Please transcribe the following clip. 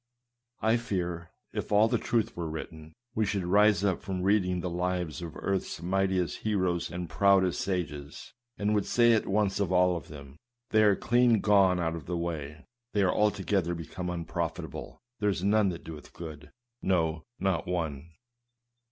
I fear, if all the truth were written, we should rise up from reading the lives of earth's mightiest heroes and proudest sages, and would say at once of all of them, " They are clean gone out of the way ; they are altogether become unprofitable ; there is none that doeth good ; no, not one."